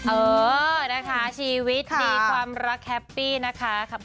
เออนะคะชีวิตมีความรักแฮปปี้นะคะ